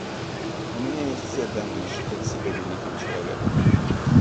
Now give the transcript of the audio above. У меня есть все данные считать себя великим человеком.